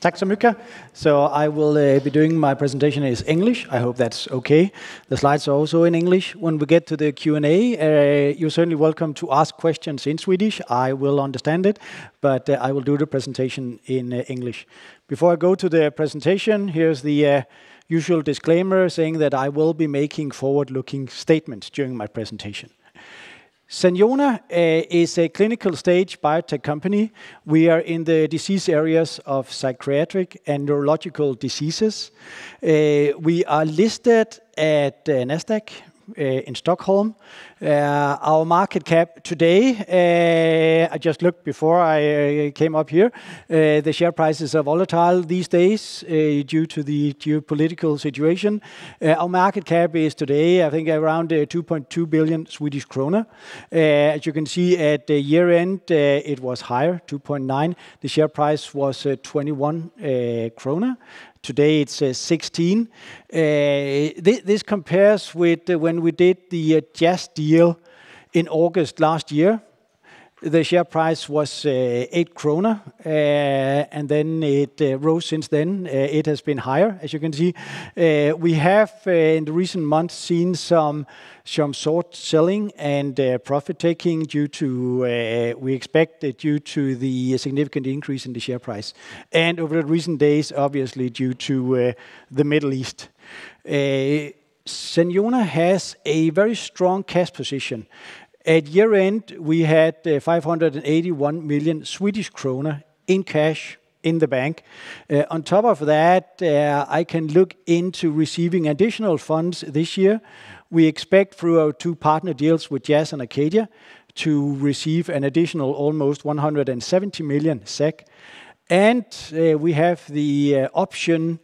Taksamika. I will be doing my presentation is English. I hope that's okay. The slides are also in English. When we get to the Q&A, you're certainly welcome to ask questions in Swedish. I will understand it, I will do the presentation in English. Before I go to the presentation, here's the usual disclaimer saying that I will be making forward-looking statements during my presentation. Saniona is a clinical stage biotech company. We are in the disease areas of psychiatric and neurological diseases. We are listed at Nasdaq Stockholm. Our market cap today, I just looked before I came up here. The share prices are volatile these days, due to the geopolitical situation. Our market cap is today, I think around 2.2 billion Swedish kronor. As you can see at the year-end, it was higher, 2.9. The share price was 21 kronor. Today it's 16. This compares with when we did the Jazz deal in August last year. The share price was 8 kronor, and then it rose since then. It has been higher, as you can see. We have in the recent months seen some short selling and profit-taking due to, we expect that due to the significant increase in the share price. Over the recent days, obviously due to the Middle East. Saniona has a very strong cash position. At year-end, we had 581 million Swedish kronor in cash in the bank. On top of that, I can look into receiving additional funds this year. We expect through our two partner deals with Jazz and Acadia to receive an additional almost 170 million SEK, and we have the option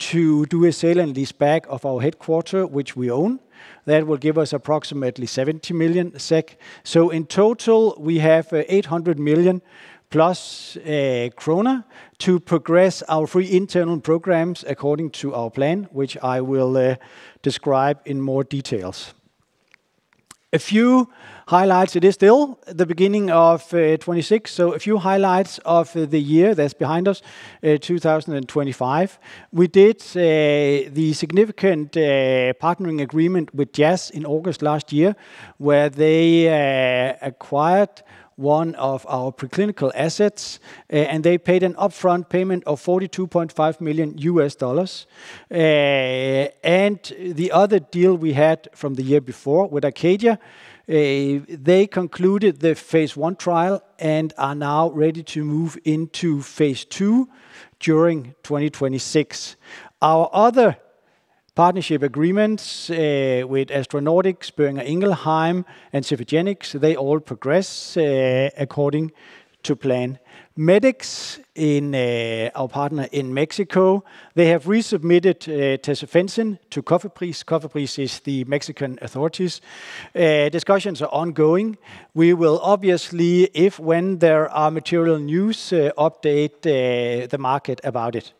to do a sale and leaseback of our headquarter, which we own. That will give us approximately 70 million SEK. In total, we have 800 million plus krona to progress our three internal programs according to our plan, which I will describe in more details. A few highlights. It is still the beginning of 2026, so a few highlights of the year that's behind us, 2025. We did the significant partnering agreement with Jazz in August last year, where they acquired one of our preclinical assets, and they paid an upfront payment of $42.5 million The other deal we had from the year before with Acadia, they concluded the phase I trial and are now ready to move into phase II during 2026. Our other partnership agreements with AstronauTx, Boehringer Ingelheim, and Cephagenix, they all progress according to plan. Medix, our partner in Mexico, they have resubmitted tesofensine to COFEPRIS. COFEPRIS is the Mexican authorities. Discussions are ongoing. We will obviously, if when there are material news, update the market about it.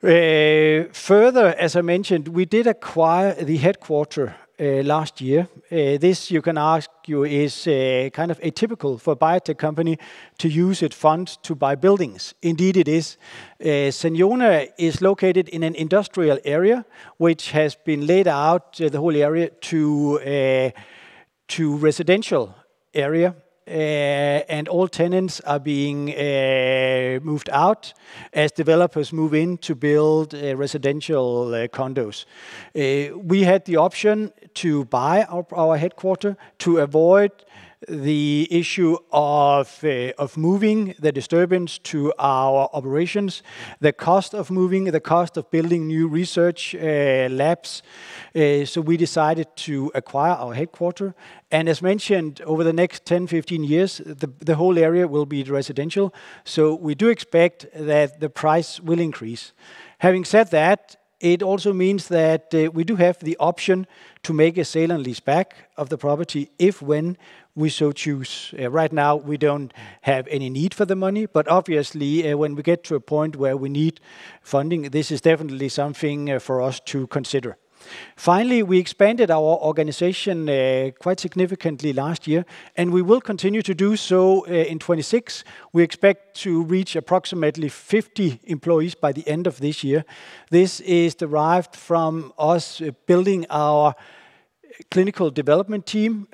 Further, as I mentioned, we did acquire the headquarter last year. This you can ask you is kind of atypical for a biotech company to use its funds to buy buildings. Indeed, it is. Saniona is located in an industrial area which has been laid out, the whole area, to residential area. All tenants are being moved out as developers move in to build residential condos. We had the option to buy our headquarter to avoid the issue of moving the disturbance to our operations, the cost of moving, the cost of building new research labs. We decided to acquire our headquarter. As mentioned, over the next 10-15 years, the whole area will be residential. We do expect that the price will increase. Having said that, it also means that we do have the option to make a sale and leaseback of the property if, when we so choose. Right now we don't have any need for the money, but obviously, when we get to a point where we need funding, this is definitely something for us to consider. We expanded our organization, quite significantly last year, and we will continue to do so in 2026. We expect to reach approximately 50 employees by the end of this year. This is derived from us building our clinical development team,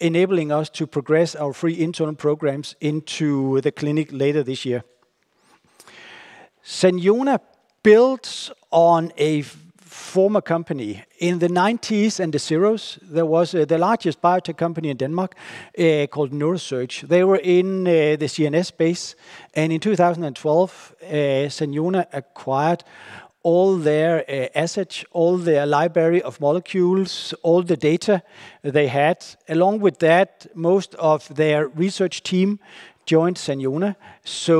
enabling us to progress our three internal programs into the clinic later this year. Saniona builds on a former company. In the 90s and the 00s, there was the largest biotech company in Denmark, called NeuroSearch. They were in the CNS space, and in 2012, Saniona acquired all their assets, all their library of molecules, all the data they had. Along with that, most of their research team joined Saniona.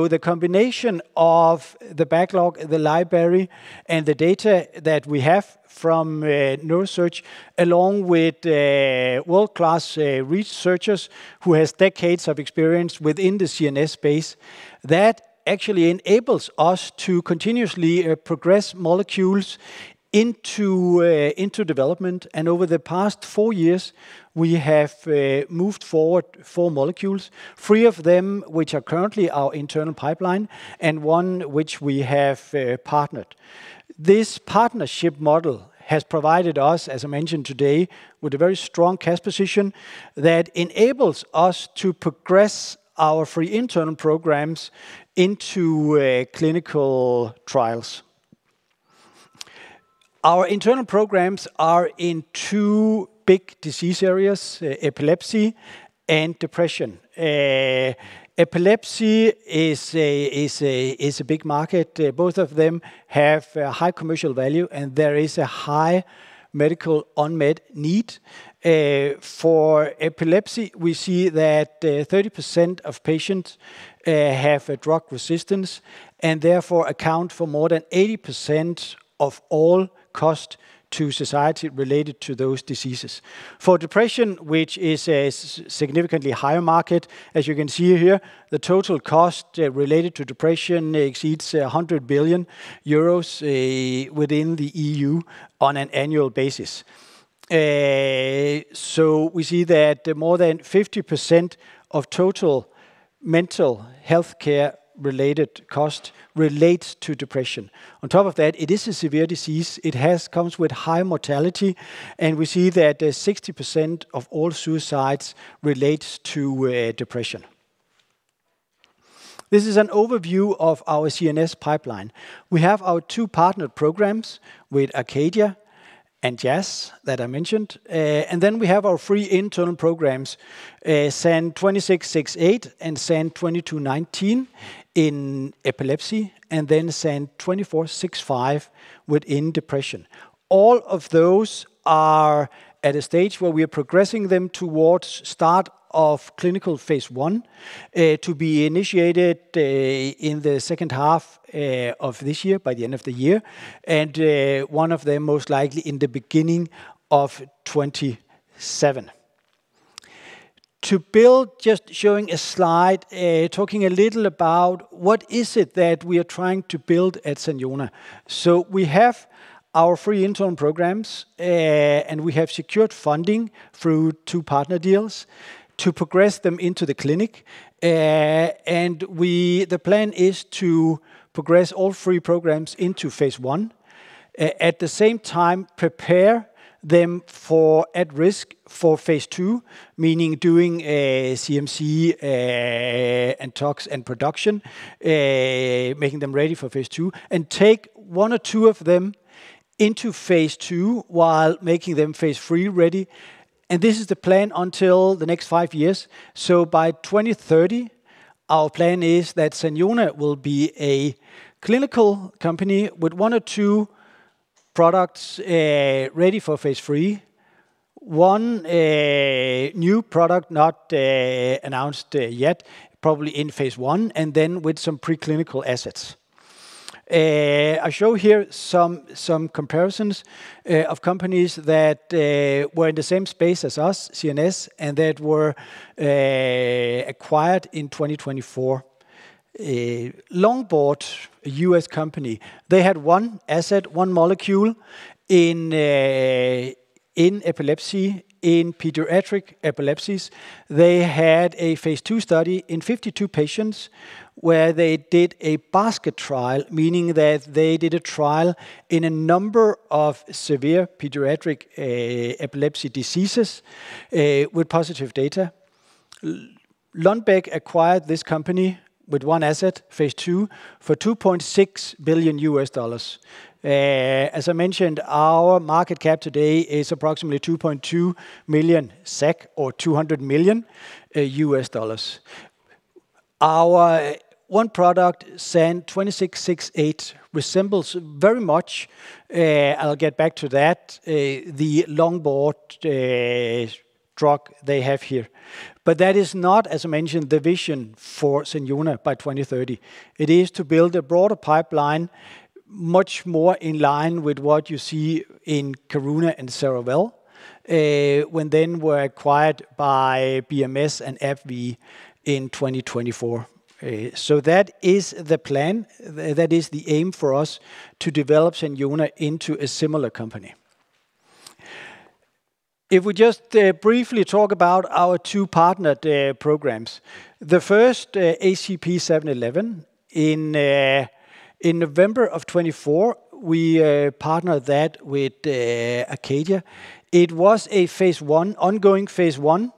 The combination of the backlog, the library, and the data that we have from NeuroSearch, along with world-class researchers who has decades of experience within the CNS space, that actually enables us to continuously progress molecules into development. Over the past four years, we have moved forward four molecules, three of them which are currently our internal pipeline and one which we have partnered. This partnership model has provided us, as I mentioned today, with a very strong cash position that enables us to progress our three internal programs into clinical trials. Our internal programs are in two big disease areas, epilepsy and depression. Epilepsy is a big market. Both of them have high commercial value, and there is a high medical unmet need. For epilepsy, we see that 30% of patients have a drug resistance and therefore account for more than 80% of all cost to society related to those diseases. For depression, which is a significantly higher market, as you can see here, the total cost related to depression exceeds 100 billion euros within the EU on an annual basis. We see that more than 50% of total mental health care related cost relates to depression. On top of that, it is a severe disease. It comes with high mortality, and we see that 60% of all suicides relates to depression. This is an overview of our CNS pipeline. We have our two partner programs with Acadia and Jazz that I mentioned. We have our three internal programs, SAN2668 and SAN2219 in epilepsy, and then SAN2465 within depression. All of those are at a stage where we are progressing them towards start of clinical phase I, to be initiated in the second half of this year, by the end of the year, and one of them most likely in the beginning of 2027. To build, just showing a slide, talking a little about what is it that we are trying to build at Saniona. We have our three internal programs, and we have secured funding through two partner deals to progress them into the clinic. The plan is to progress all three programs into phase I. At the same time, prepare them for at-risk for phase II, meaning doing a CMC, and tox and production, making them ready for phase II, and take one or two of them into phase II while making them phase III ready. This is the plan until the next five years. By 2030, our plan is that Saniona will be a clinical company with one or two products, ready for phase III. One new product not announced yet, probably in phase I, and then with some preclinical assets. I show here some comparisons of companies that were in the same space as us, CNS, and that were acquired in 2024. Longboard, a U.S. company, they had one asset, one molecule in epilepsy, in pediatric epilepsies. They had a phase II study in 52 patients where they did a basket trial, meaning that they did a trial in a number of severe pediatric epilepsy diseases with positive data. Lundbeck acquired this company with one asset, phase II, for $2.6 billion. As I mentioned, our market cap today is approximately 2.2 million SEK or $200 million. Our one product, SAN2668, resembles very much, I'll get back to that, the Longboard drug they have here. That is not, as I mentioned, the vision for Saniona by 2030. It is to build a broader pipeline, much more in line with what you see in Karuna and Cerevel when then were acquired by BMS and AbbVie in 2024. That is the plan. That is the aim for us to develop Saniona into a similar company. If we just briefly talk about our two partnered programs. The first ACP711, in November of 2024, we partnered that with Acadia. It was a phase I, ongoing phase I,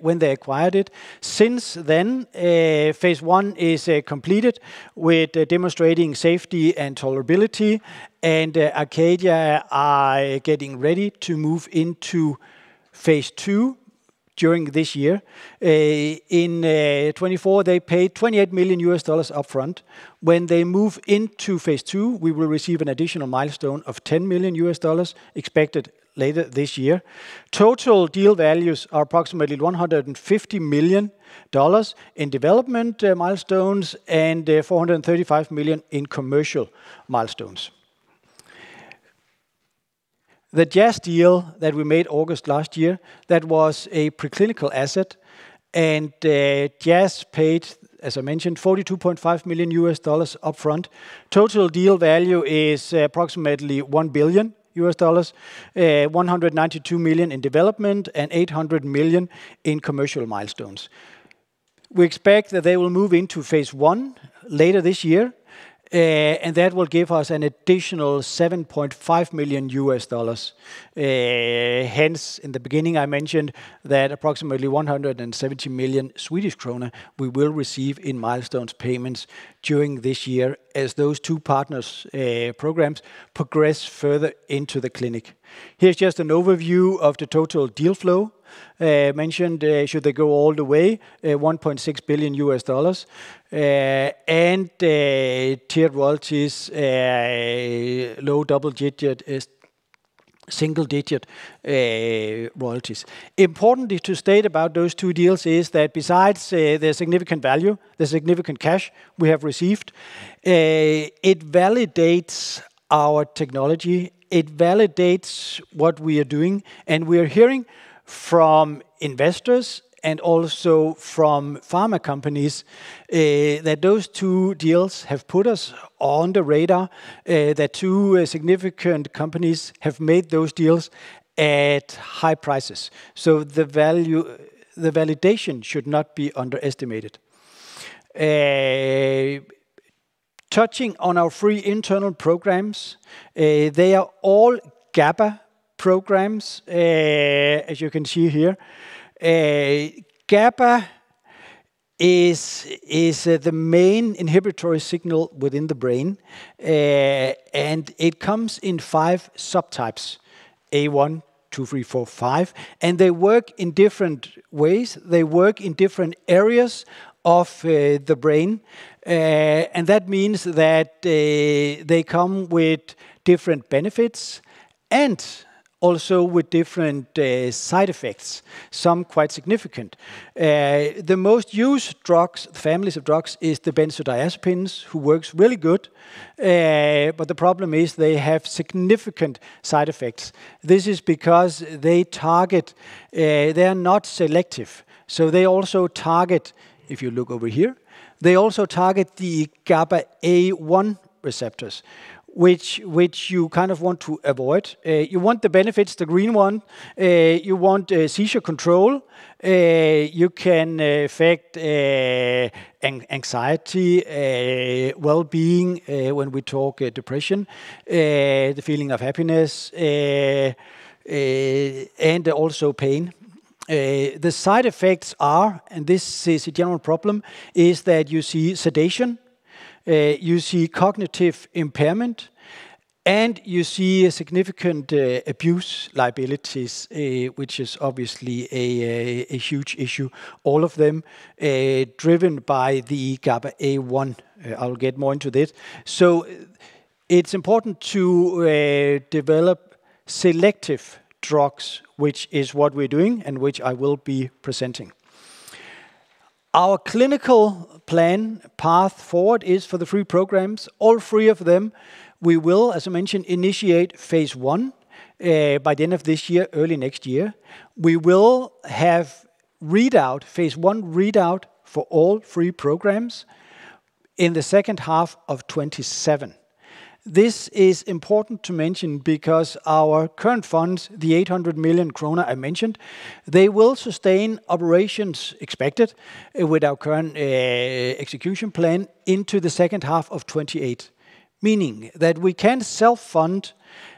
when they acquired it. Since then, phase I is completed with demonstrating safety and tolerability, and Acadia are getting ready to move into phase II during this year. In 2024, they paid $28 million upfront. When they move into phase II, we will receive an additional milestone of $10 million expected later this year. Total deal values are approximately $150 million in development milestones and $435 million in commercial milestones. The Jazz deal that we made August last year, that was a preclinical asset, and Jazz paid, as I mentioned, $42.5 million upfront. Total deal value is approximately $1 billion, $192 million in development and $800 million in commercial milestones. We expect that they will move into phase I later this year, and that will give us an additional $7.5 million. Hence, in the beginning, I mentioned that approximately 170 million Swedish krona we will receive in milestones payments during this year as those two partners programs progress further into the clinic. Here's just an overview of the total deal flow mentioned, should they go all the way, $1.6 billion, and tiered royalties, low double-digit is single-digit, royalties. Important to state about those two deals is that besides, the significant value, the significant cash we have received, it validates our technology, it validates what we are doing. We are hearing from investors and also from pharma companies, that those two deals have put us on the radar, that two significant companies have made those deals at high prices. The value, the validation should not be underestimated. Touching on our three internal programs, they are all GABA programs, as you can see here. GABA is the main inhibitory signal within the brain, and it comes in five subtypes, A one, two, three, four, five, and they work in different ways. They work in different areas of the brain, and that means that they come with different benefits and also with different side effects, some quite significant. The most used drugs, families of drugs, is the benzodiazepines, who works really good, but the problem is they have significant side effects. This is because they target, they are not selective. They also target, if you look over here, they also target the GABA a1 receptors, which you kind of want to avoid Its, the green one, you want seizure control, you can affect anxiety, well-being, when we talk depression, the feeling of happiness, and also pain. The side effects are, and this is a general problem, is that you see sedation, you see cognitive impairment, and you see a significant abuse liabilities, which is obviously a huge issue, all of them, driven by the GABA a1. I'll get more into this. It's important to develop selective drugs, which is what we're doing and which I will be presenting. Our clinical plan path forward is for the three programs, all three of them. We will, as I mentioned, initiate phase I by the end of this year, early next year. We will have readout, phase I readout for all three programs in the second half of 2027. This is important to mention because our current funds, the 800 million kronor I mentioned, they will sustain operations expected with our current execution plan into the second half of 2028, meaning that we can self-fund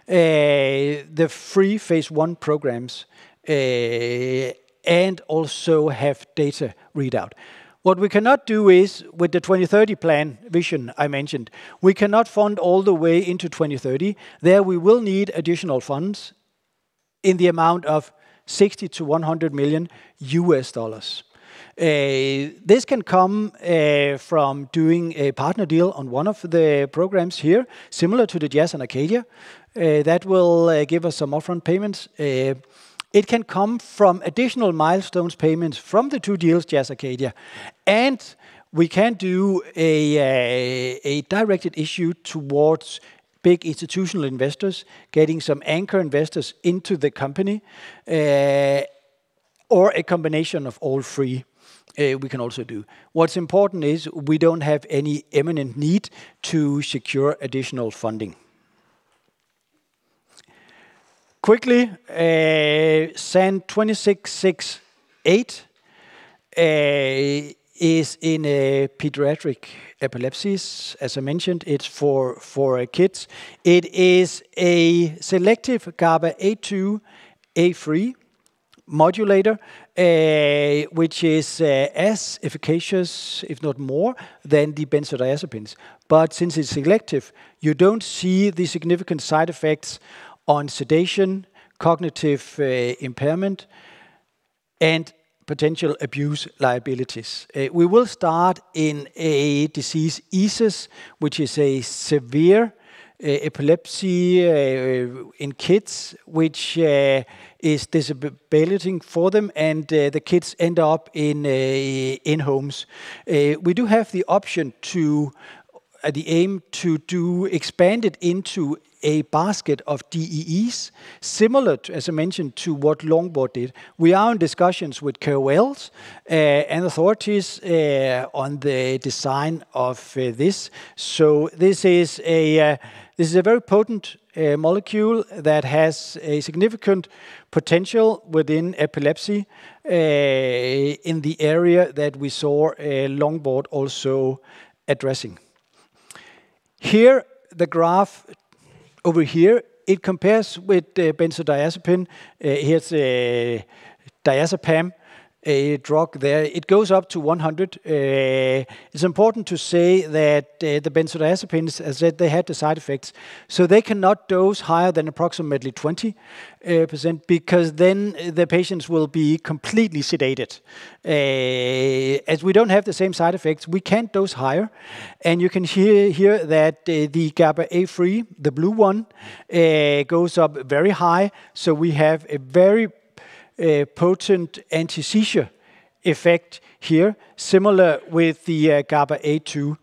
the three phase I programs and also have data readout. What we cannot do is with the 2030 plan vision I mentioned, we cannot fund all the way into 2030. There we will need additional funds in the amount of $60 million-$100 million. This can come from doing a partner deal on one of the programs here, similar to the Jazz Pharmaceuticals and Acadia Pharmaceuticals, that will give us some upfront payments. It can come from additional milestones payments from the two deals, Jazz Pharmaceuticals, Acadia Pharmaceuticals. We can do a directed issue towards big institutional investors, getting some anchor investors into the company, or a combination of all three. We can also do. What's important is we don't have any imminent need to secure additional funding quickly. SAN2668 is in pediatric epilepsies. As I mentioned, it's for kids. It is a selective GABA a2, a3 modulator, which is as efficacious, if not more, than the benzodiazepines. Since it's selective, you don't see the significant side effects on sedation, cognitive impairment, and potential abuse liabilities. We will start in a disease ESES, which is a severe epilepsy in kids, which is debilitating for them, and the kids end up in homes. We do have the option to... The aim to expand it into a basket of DEE, similar to, as I mentioned, to what Longboard did. We are in discussions with Cure Leukaemia and authorities on the design of this. This is a very potent molecule that has a significant potential within epilepsy in the area that we saw Longboard also addressing. Here the graph over here, it compares with the benzodiazepine. Here's a diazepam, a drug there. It goes up to 100. It's important to say that the benzodiazepines, as said, they had the side effects, they cannot dose higher than approximately 20% because then the patients will be completely sedated. As we don't have the same side effects, we can't dose higher. You can hear that the GABA a3, the blue one, goes up very high. We have a very potent anti-seizure effect here, similar with the GABA a2.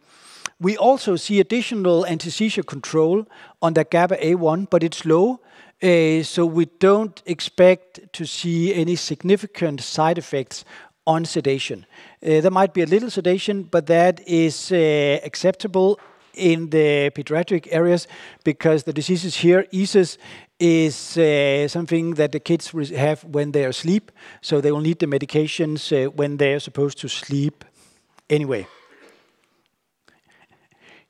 We also see additional anti-seizure control on the GABA a1, but it's low, so we don't expect to see any significant side effects on sedation. There might be a little sedation, but that is acceptable in the pediatric areas because the diseases here ESES is something that the kids re-have when they are asleep, so they will need the medications when they are supposed to sleep anyway.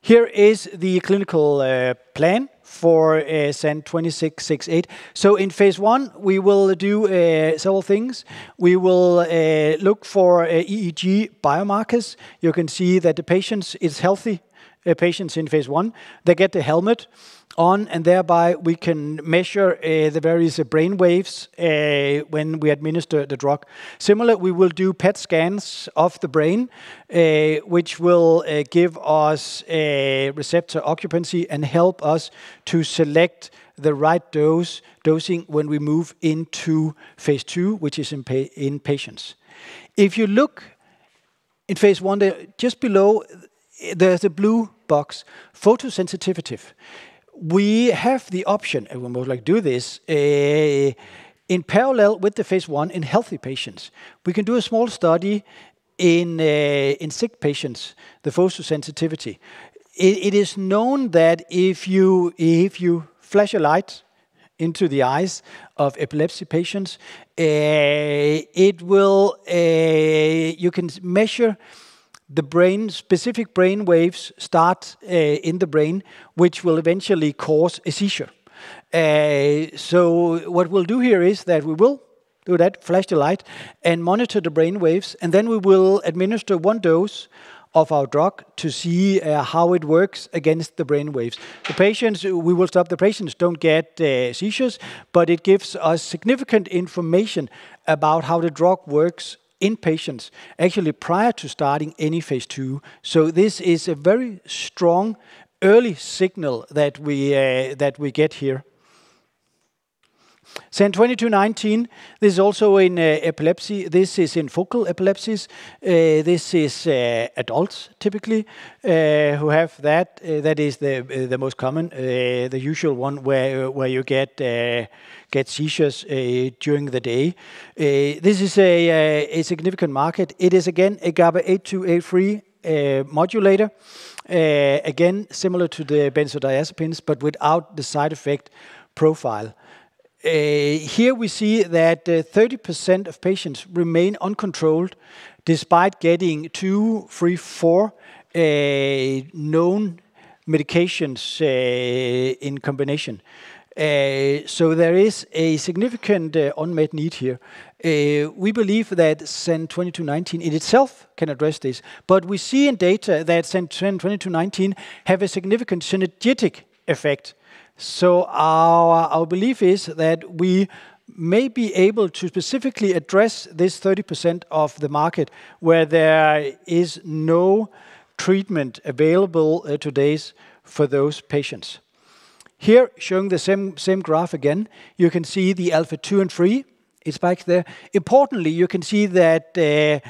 Here is the clinical plan for SAN2668. In phase I we will do several things. We will look for EEG biomarkers. You can see that the patients is healthy patients in phase I. They get the helmet on. Thereby we can measure the various brainwaves when we administer the drug. Similar, we will do PET scans of the brain, which will give us a receptor occupancy and help us to select the right dosing when we move into phase II, which is in patients. If you look in phase I there, just below there's a blue box, photosensitivity. We have the option. We would like do this in parallel with the phase I in healthy patients. We can do a small study in sick patients, the photosensitivity. It is known that if you flash a light into the eyes of epilepsy patients, it will... You can measure the brain, specific brainwaves start in the brain, which will eventually cause a seizure. What we'll do here is that we will do that, flash the light and monitor the brainwaves, and then we will administer 1 dose of our drug to see how it works against the brainwaves. The patients, we will stop the patients don't get seizures, but it gives us significant information about how the drug works in patients actually prior to starting any phase II. This is a very strong early signal that we get here. SAN2219, this is also in epilepsy. This is in focal epilepsies. This is adults typically who have that. That is the most common, the usual one where you get seizures during the day. This is a significant market. It is again a GABA a2, a3 modulator. Similar to the benzodiazepines but without the side effect profile. Here we see that 30% of patients remain uncontrolled despite getting 2, 3, 4 known medications in combination. So there is a significant unmet need here. We believe that SAN2219 in itself can address this, but we see in data that SAN2219 has a significant synergetic effect. So our belief is that we may be able to specifically address this 30% of the market where there is no treatment available today for those patients. Here, showing the same graph again, you can see the alpha 2 and 3. It spikes there. Importantly, you can see that GABA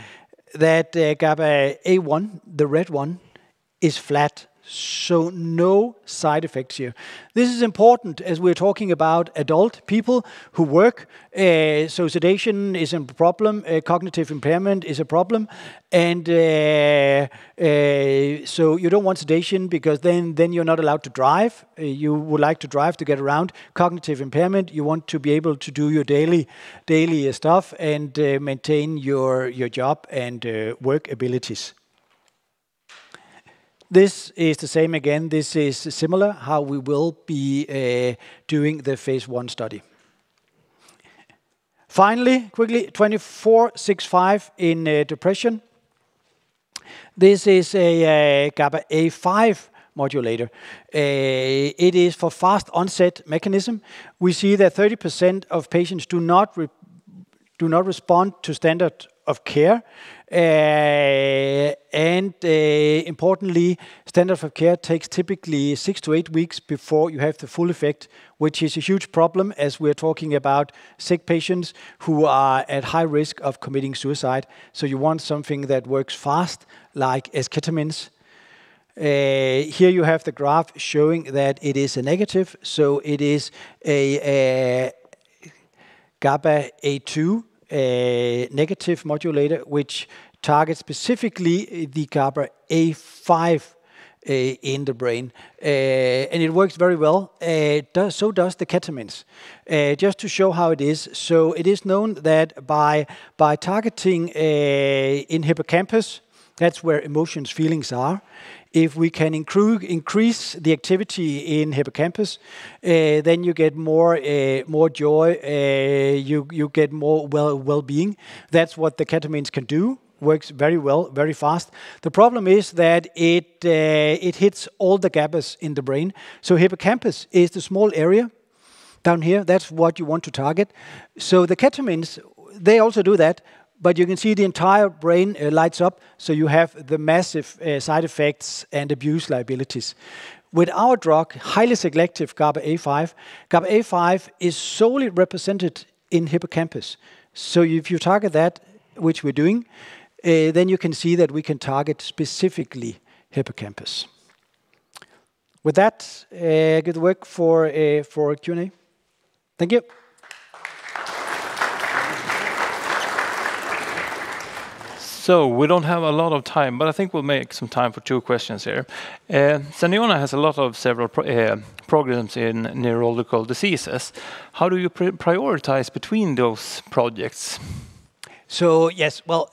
a1, the red one is flat, so no side effects here This is important as we're talking about adult people who work, sedation is a problem, cognitive impairment is a problem. You don't want sedation because then you're not allowed to drive. You would like to drive to get around. Cognitive impairment, you want to be able to do your daily stuff and maintain your job and work abilities. This is the same again. This is similar how we will be doing the phase I study. Finally, quickly, SAN2465 in depression. This is a GABA a5 modulator. It is for fast onset mechanism. We see that 30% of patients do not respond to standard of care. Importantly, standard of care takes typically 6 to 8 weeks before you have the full effect, which is a huge problem as we're talking about sick patients who are at high risk of committing suicide. You want something that works fast like esketamine. Here you have the graph showing that it is a negative, so it is a GABA a2 negative modulator, which targets specifically the GABA a5 in the brain. It works very well. Does the ketamine. Just to show how it is, it is known that by targeting in hippocampus, that's where emotions, feelings are. If we can increase the activity in hippocampus, then you get more joy, you get more well-being. That's what the ketamines can do. Works very well, very fast. The problem is that it hits all the GABAs in the brain. Hippocampus is the small area down here. That's what you want to target. The ketamines, they also do that, but you can see the entire brain lights up, so you have the massive side effects and abuse liabilities. With our drug, highly selective GABA a5 is solely represented in hippocampus. If you target that, which we're doing, then you can see that we can target specifically hippocampus. With that, good work for Q&A. Thank you. We don't have a lot of time, but I think we'll make some time for two questions here. Saniona has a lot of several programs in neurological diseases. How do you prioritize between those projects? Yes. Well,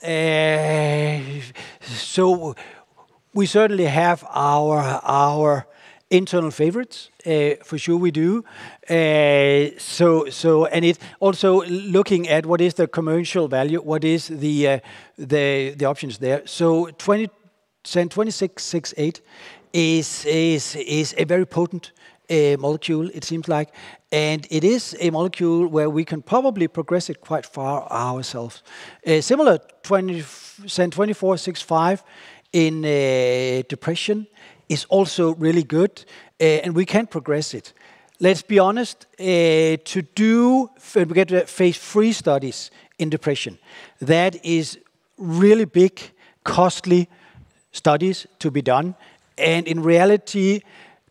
we certainly have our internal favorites. For sure we do. It's also looking at what is the commercial value, what is the options there. SAN2668 is a very potent molecule it seems like, and it is a molecule where we can probably progress it quite far ourselves. Similar, SAN2465 in depression is also really good, and we can progress it. Let's be honest, to phase III studies in depression, that is really big, costly studies to be done. In reality,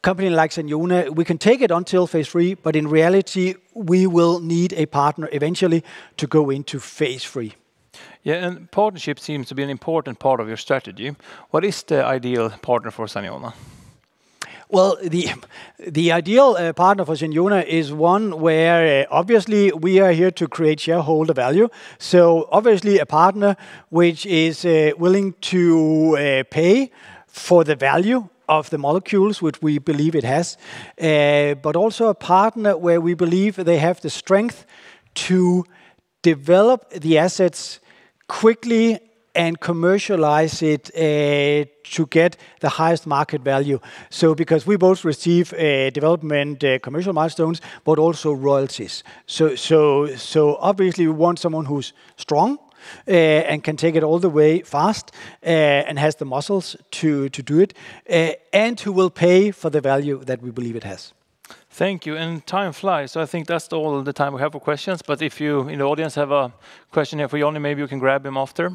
company like Saniona, we can take it until phase III, but in reality, we will need a partner eventually to go into phase III. Yeah. Partnership seems to be an important part of your strategy. What is the ideal partner for Saniona? Well, the ideal partner for Saniona is one where obviously we are here to create shareholder value, so obviously a partner which is willing to pay for the value of the molecules which we believe it has, but also a partner where we believe they have the strength to develop the assets quickly and commercialize it to get the highest market value. Because we both receive development, commercial milestones, but also royalties. Obviously we want someone who's strong and can take it all the way fast and has the muscles to do it and who will pay for the value that we believe it has. Thank you. Time flies, so I think that's all the time we have for questions. If you in the audience have a question here for John, maybe you can grab him after.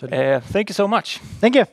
Thank you so much. Thank you.